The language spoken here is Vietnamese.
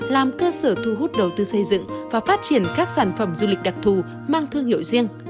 làm cơ sở thu hút đầu tư xây dựng và phát triển các sản phẩm du lịch đặc thù mang thương hiệu riêng